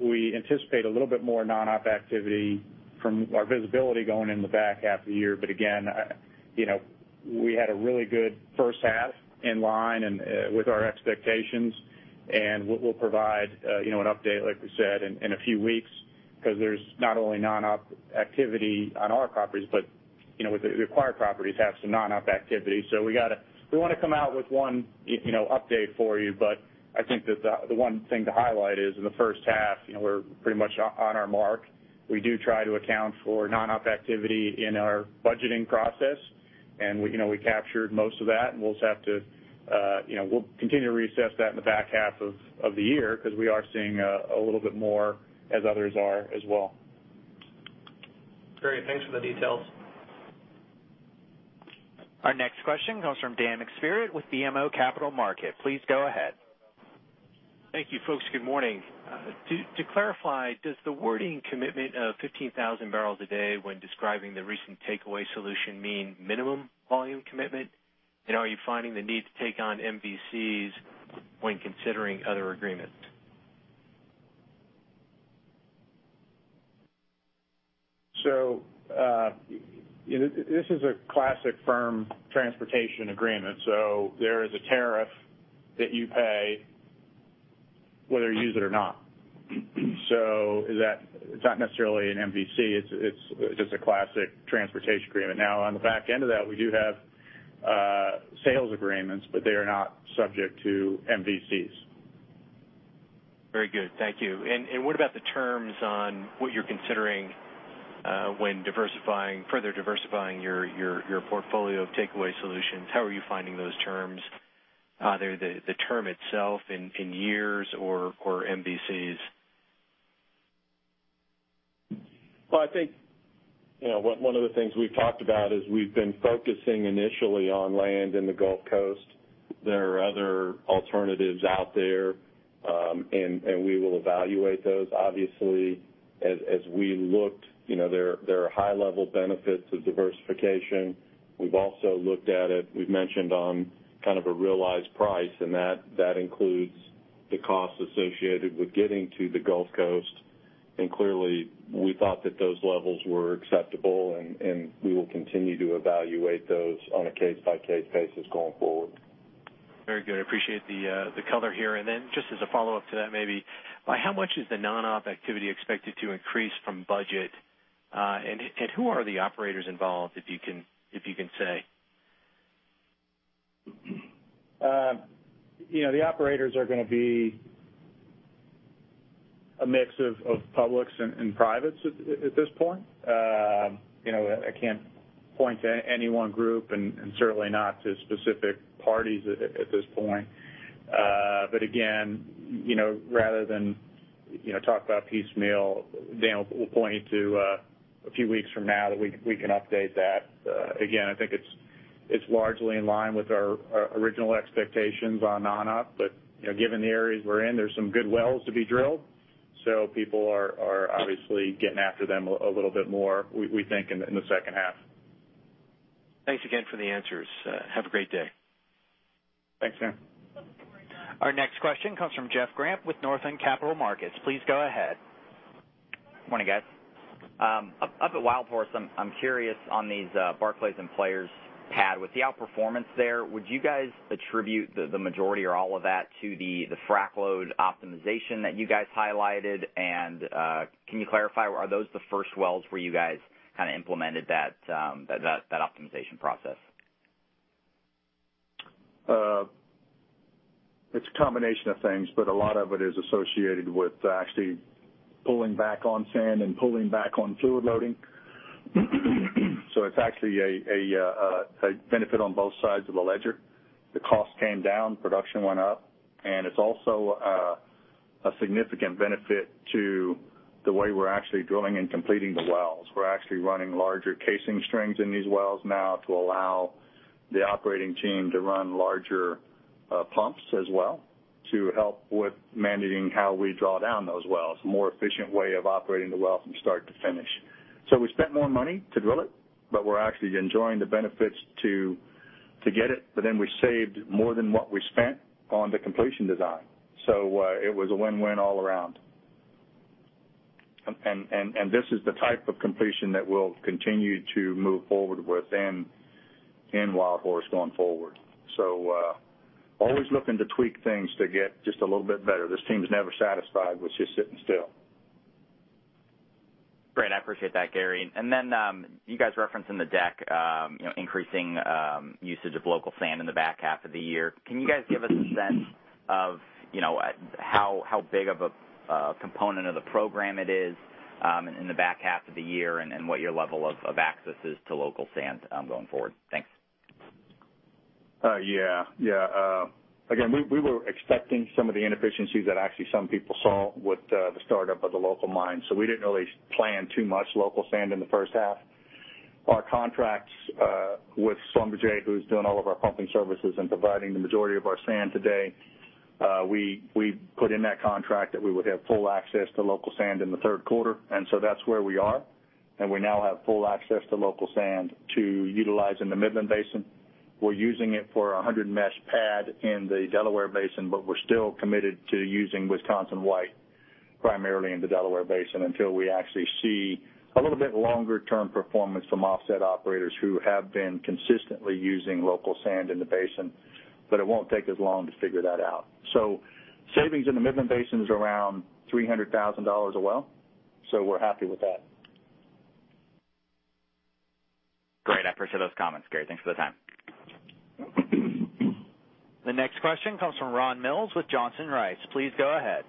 we anticipate a little bit more non-op activity from our visibility going in the back half of the year. Again, we had a really good first half in line with our expectations, and we'll provide an update, like we said, in a few weeks, because there's not only non-op activity on our properties, but the acquired properties have some non-op activity. We want to come out with one update for you, but I think that the one thing to highlight is in the first half, we're pretty much on our mark. We do try to account for non-op activity in our budgeting process, and we captured most of that, and we'll continue to reassess that in the back half of the year because we are seeing a little bit more as others are as well. Great. Thanks for the details. Our next question comes from Dan McSpirit with BMO Capital Markets. Please go ahead. Thank you, folks. Good morning. To clarify, does the wording commitment of 15,000 barrels a day when describing the recent takeaway solution mean minimum volume commitment? Are you finding the need to take on MVCs when considering other agreements? This is a classic firm transportation agreement. There is a tariff that you pay whether you use it or not. It's not necessarily an MVC, it's just a classic transportation agreement. On the back end of that, we do have sales agreements, but they are not subject to MVCs. Very good. Thank you. What about the terms on what you're considering when further diversifying your portfolio of takeaway solutions? How are you finding those terms? Either the term itself in years or MVCs? Well, I think one of the things we've talked about is we've been focusing initially on land in the Gulf Coast. There are other alternatives out there, and we will evaluate those, obviously, as we looked. There are high-level benefits of diversification. We've also looked at it, we've mentioned on kind of a realized price, that includes the costs associated with getting to the Gulf Coast. Clearly, we thought that those levels were acceptable, and we will continue to evaluate those on a case-by-case basis going forward. Very good. Appreciate the color here. Then just as a follow-up to that maybe, by how much is the non-op activity expected to increase from budget? Who are the operators involved, if you can say? The operators are going to be a mix of publics and privates at this point. I can't point to any one group and certainly not to specific parties at this point. Again, rather than talk about piecemeal, Dan, we'll point you to a few weeks from now that we can update that. Again, I think it's largely in line with our original expectations on non-op, given the areas we're in, there's some good wells to be drilled. People are obviously getting after them a little bit more, we think, in the second half. Thanks again for the answers. Have a great day. Thanks, Dan. Our next question comes from Jeff Grampp with Northland Capital Markets. Please go ahead. Morning, guys. Up at Wildhorse, I'm curious on these Barclays and Players pad. With the outperformance there, would you guys attribute the majority or all of that to the frack load optimization that you guys highlighted? Can you clarify, are those the first wells where you guys implemented that optimization process? It's a combination of things. A lot of it is associated with actually pulling back on sand and pulling back on fluid loading. It's actually a benefit on both sides of the ledger. The cost came down, production went up. It's also a significant benefit to the way we're actually drilling and completing the wells. We're actually running larger casing strings in these wells now to allow the operating team to run larger pumps as well to help with managing how we draw down those wells. More efficient way of operating the well from start to finish. We spent more money to drill it. We're actually enjoying the benefits to get it. Then we saved more than what we spent on the completion design. It was a win-win all around. This is the type of completion that we'll continue to move forward with in In Wildhorse going forward. Always looking to tweak things to get just a little bit better. This team's never satisfied with just sitting still. Great. I appreciate that, Gary. You guys referenced in the deck increasing usage of local sand in the back half of the year. Can you guys give us a sense of how big of a component of the program it is in the back half of the year, and what your level of access is to local sand going forward? Thanks. Yeah. Again, we were expecting some of the inefficiencies that actually some people saw with the startup of the local mine. We didn't really plan too much local sand in the first half. Our contracts with Schlumberger, who's doing all of our pumping services and providing the majority of our sand today, we put in that contract that we would have full access to local sand in the third quarter. That's where we are. We now have full access to local sand to utilize in the Midland Basin. We're using it for our 100 mesh pad in the Delaware Basin, but we're still committed to using Wisconsin White primarily in the Delaware Basin until we actually see a little bit longer-term performance from offset operators who have been consistently using local sand in the basin. It won't take as long to figure that out. Savings in the Midland Basin is around $300,000 a well. We're happy with that. Great. I appreciate those comments, Gary. Thanks for the time. The next question comes from Ron Mills with Johnson Rice. Please go ahead.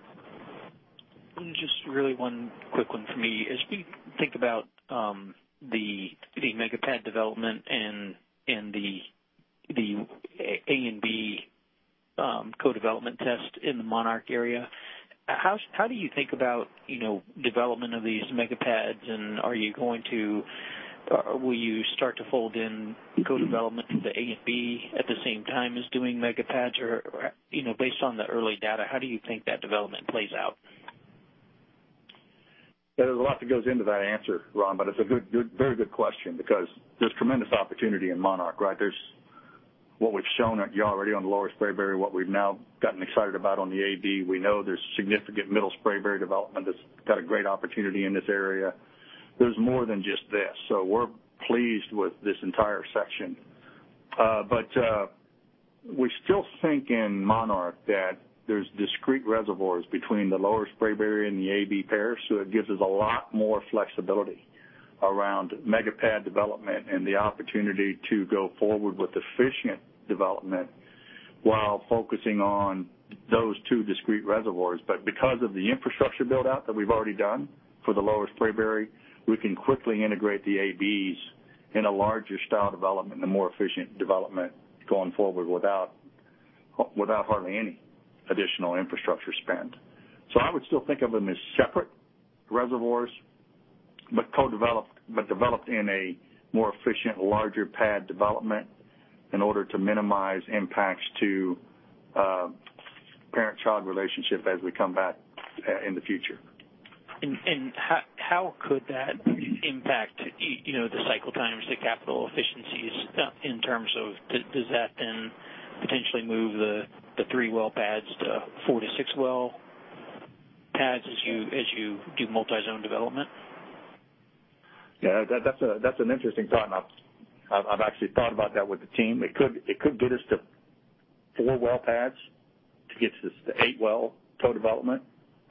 Just really one quick one for me. As we think about the mega pad development and the A and B co-development test in the Moran area, how do you think about development of these mega pads, will you start to fold in co-development of the A and B at the same time as doing mega pads? Based on the early data, how do you think that development plays out? There's a lot that goes into that answer, Ron, it's a very good question because there's tremendous opportunity in Moran, right? There's what we've shown you already on the Lower Spraberry, what we've now gotten excited about on the AB. We know there's significant Middle Spraberry development that's got a great opportunity in this area. There's more than just this, we're pleased with this entire section. We still think in Moran that there's discrete reservoirs between the Lower Spraberry and the AB pair, it gives us a lot more flexibility around mega pad development and the opportunity to go forward with efficient development while focusing on those two discrete reservoirs. Because of the infrastructure build out that we've already done for the Lower Spraberry, we can quickly integrate the ABs in a larger style development and a more efficient development going forward without hardly any additional infrastructure spend. I would still think of them as separate reservoirs, developed in a more efficient, larger pad development in order to minimize impacts to parent-child relationship as we come back in the future. How could that impact the cycle times, the capital efficiencies, in terms of does that then potentially move the 3-well pads to 4 to 6-well pads as you do multi-zone development? That's an interesting thought, I've actually thought about that with the team. It could get us to 4-well pads to get to 8-well co-development,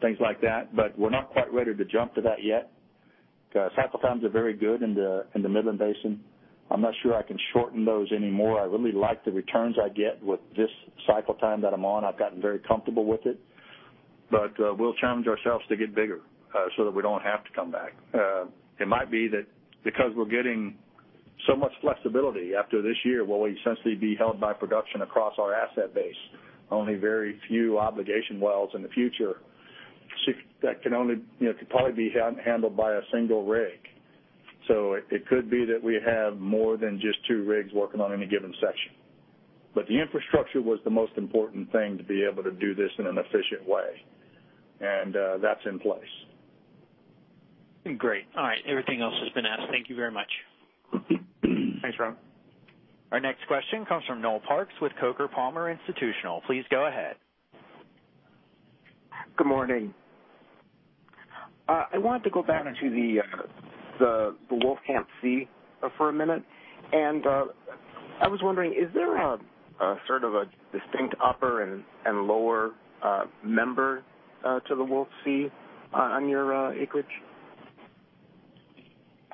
things like that, we're not quite ready to jump to that yet. Cycle times are very good in the Midland Basin. I'm not sure I can shorten those anymore. I really like the returns I get with this cycle time that I'm on. I've gotten very comfortable with it. We'll challenge ourselves to get bigger so that we don't have to come back. It might be that because we're getting so much flexibility after this year where we'll essentially be held by production across our asset base. Only very few obligation wells in the future that can probably be handled by a single rig. It could be that we have more than just 2 rigs working on any given section. The infrastructure was the most important thing to be able to do this in an efficient way. That's in place. Great. All right. Everything else has been asked. Thank you very much. Thanks, Ron. Our next question comes from Noel Parks with Coker & Palmer. Please go ahead. Good morning. I wanted to go back into the Wolfcamp C for a minute. I was wondering, is there a sort of a distinct upper and lower member to the Wolfcamp C on your acreage?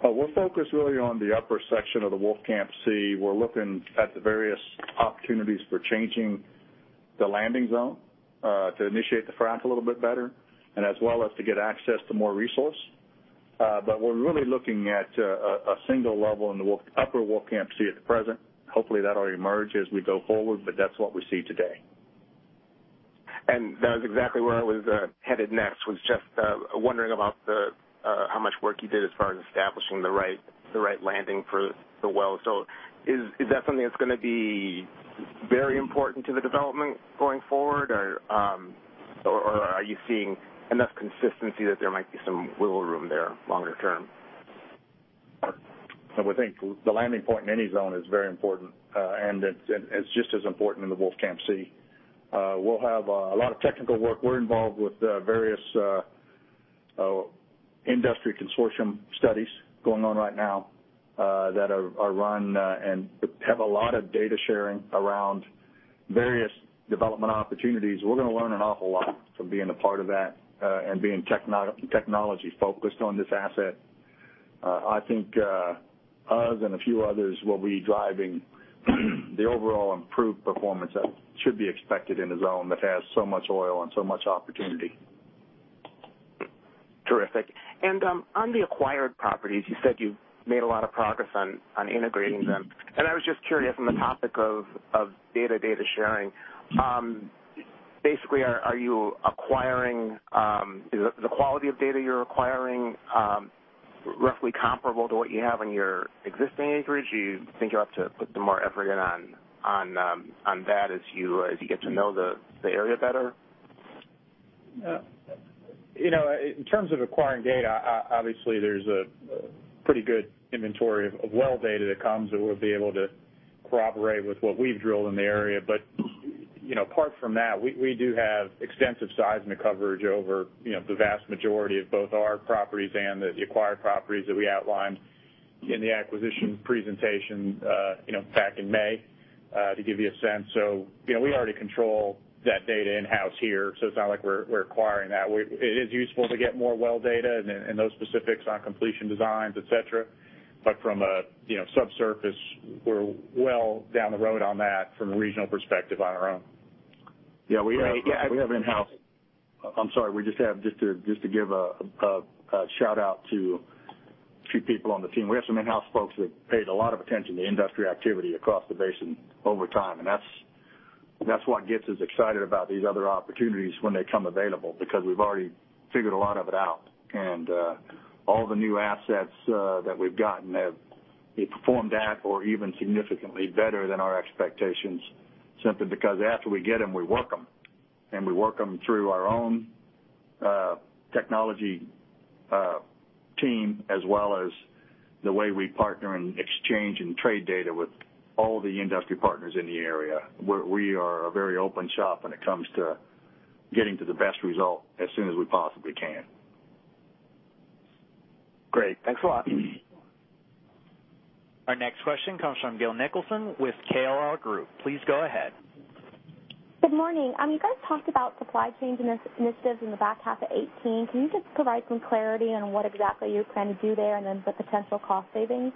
We're focused really on the upper section of the Wolfcamp C. We're looking at the various opportunities for changing the landing zone to initiate the frac a little bit better, and as well as to get access to more resource. We're really looking at a single level in the upper Wolfcamp C at the present. Hopefully, that'll emerge as we go forward, but that's what we see today. That is exactly where I was headed next, was just wondering about how much work you did as far as establishing the right landing for the well. Is that something that's going to be very important to the development going forward? Or are you seeing enough consistency that there might be some wiggle room there longer term? We think the landing point in any zone is very important. It's just as important in the Wolfcamp C. We'll have a lot of technical work. We're involved with various industry consortium studies going on right now that are run, and have a lot of data-sharing around various development opportunities. We're gonna learn an awful lot from being a part of that, and being technology-focused on this asset. I think us and a few others will be driving the overall improved performance that should be expected in the zone that has so much oil and so much opportunity. Terrific. On the acquired properties, you said you've made a lot of progress on integrating them. I was just curious, on the topic of data sharing, basically, Is the quality of data you're acquiring roughly comparable to what you have on your existing acreage? Do you think you'll have to put some more effort in on that as you get to know the area better? In terms of acquiring data, obviously, there's a pretty good inventory of well data that comes that we'll be able to corroborate with what we've drilled in the area. Apart from that, we do have extensive seismic coverage over the vast majority of both our properties and the acquired properties that we outlined in the acquisition presentation back in May, to give you a sense. We already control that data in-house here, so it's not like we're acquiring that. It is useful to get more well data and those specifics on completion designs, et cetera. From a subsurface, we're well down the road on that from a regional perspective on our own. Yeah. I'm sorry, just to give a shout-out to a few people on the team. We have some in-house folks that paid a lot of attention to industry activity across the basin over time, and that's what gets us excited about these other opportunities when they come available, because we've already figured a lot of it out. All the new assets that we've gotten have either performed at or even significantly better than our expectations, simply because after we get them, we work them. We work them through our own technology team, as well as the way we partner and exchange and trade data with all the industry partners in the area. We are a very open shop when it comes to getting to the best result as soon as we possibly can. Great. Thanks a lot. Our next question comes from Gail Nicholson with KLR Group. Please go ahead. Good morning. You guys talked about supply chain initiatives in the back half of 2018. Can you just provide some clarity on what exactly you're planning to do there, and then the potential cost savings?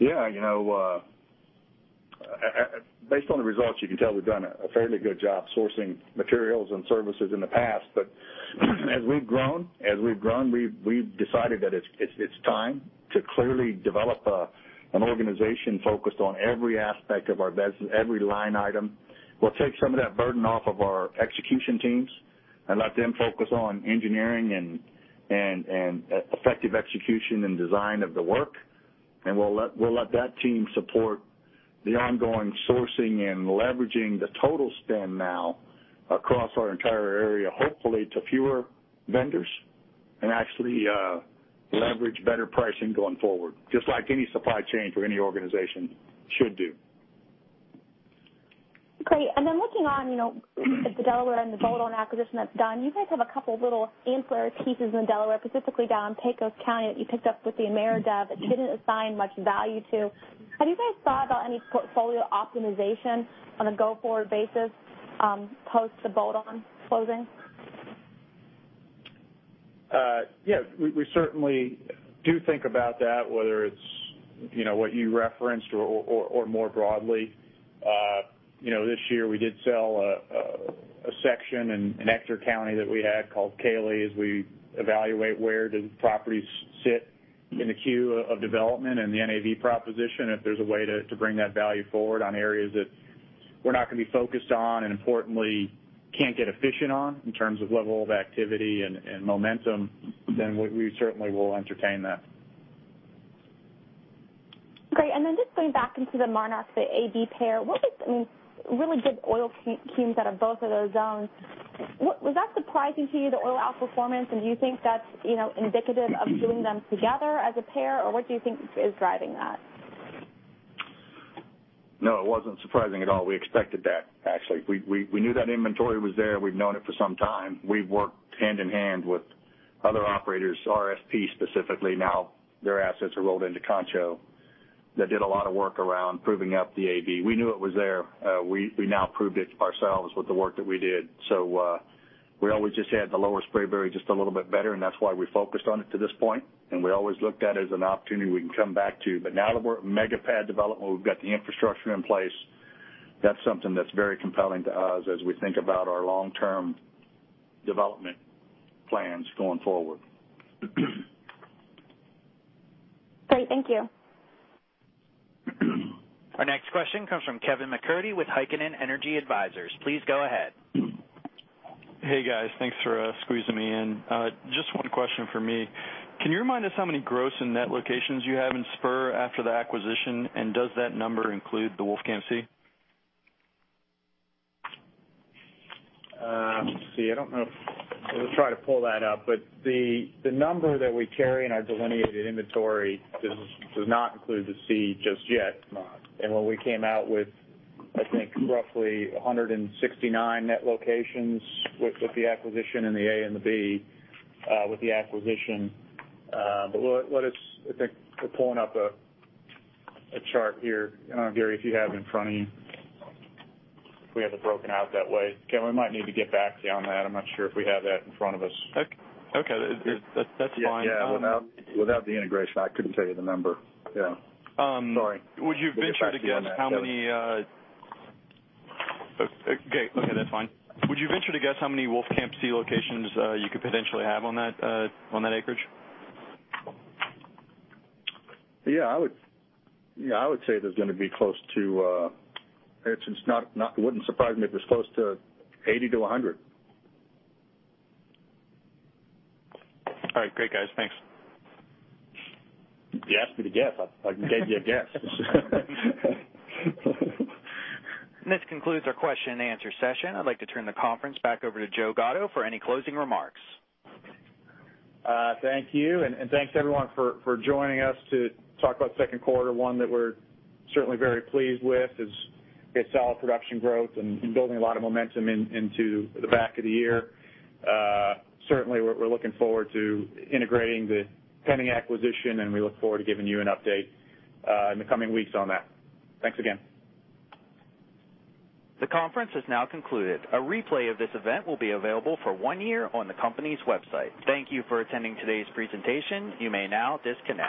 Yeah. Based on the results, you can tell we've done a fairly good job sourcing materials and services in the past. As we've grown, we've decided that it's time to clearly develop an organization focused on every aspect of our business, every line item. We'll take some of that burden off of our execution teams and let them focus on engineering and effective execution and design of the work, and we'll let that team support the ongoing sourcing and leveraging the total spend now across our entire area, hopefully to fewer vendors, and actually leverage better pricing going forward, just like any supply chain for any organization should do. Great. Looking on at the Delaware and the bolt-on acquisition that's done, you guys have a couple little sampler pieces in Delaware, specifically down in Pecos County, that you picked up with the Ameredev that didn't assign much value to. Have you guys thought about any portfolio optimization on a go-forward basis, post the bolt-on closing? Yeah. We certainly do think about that, whether it's what you referenced or more broadly. This year, we did sell a section in Ector County that we had called Kaylee, as we evaluate where do properties sit in the queue of development and the NAV proposition, if there's a way to bring that value forward on areas that we're not gonna be focused on, and importantly, can't get efficient on in terms of level of activity and momentum, then we certainly will entertain that. Great. Just going back into the Monarch, the AB pair, what with the really good oil out of both of those zones, was that surprising to you, the oil outperformance? Do you think that's indicative of doing them together as a pair, or what do you think is driving that? No, it wasn't surprising at all. We expected that, actually. We knew that inventory was there. We've known it for some time. We've worked hand-in-hand with other operators, RSP specifically, now their assets are rolled into Concho, that did a lot of work around proving up the AB. We knew it was there. We now proved it ourselves with the work that we did. We always just had the Lower Spraberry just a little bit better, and that's why we focused on it to this point, and we always looked at it as an opportunity we can come back to. Now that we're at mega pad development, we've got the infrastructure in place, that's something that's very compelling to us as we think about our long-term development plans going forward. Great. Thank you. Our next question comes from Kevin McCurdy with Heikkinen Energy Advisors. Please go ahead. Hey, guys. Thanks for squeezing me in. Just one question from me. Can you remind us how many gross and net locations you have in Spur after the acquisition, and does that number include the Wolfcamp C? Let's see. I don't know. We'll try to pull that up. The number that we carry in our delineated inventory does not include the C just yet. No. When we came out with, I think, roughly 169 net locations with the acquisition in the A and the B, with the acquisition. I think we're pulling up a chart here. I don't know, Gary, if you have it in front of you. If we have it broken out that way. Kevin, we might need to get back to you on that. I'm not sure if we have that in front of us. Okay. That's fine. Yeah. Without the integration, I couldn't tell you the number. Yeah. Sorry. We'll get back to you on that, Kevin. Okay, that's fine. Would you venture to guess how many Wolfcamp C locations you could potentially have on that acreage? Yeah. I would say there's gonna be close to It wouldn't surprise me if it was close to 80-100. All right. Great, guys. Thanks. You asked me to guess. I gave you a guess. This concludes our question and answer session. I'd like to turn the conference back over to Joe Gatto for any closing remarks. Thank you, and thanks, everyone, for joining us to talk about second quarter one, that we're certainly very pleased with. It saw production growth and building a lot of momentum into the back of the year. Certainly, we're looking forward to integrating the pending acquisition, and we look forward to giving you an update in the coming weeks on that. Thanks again. The conference has now concluded. A replay of this event will be available for one year on the company's website. Thank you for attending today's presentation. You may now disconnect.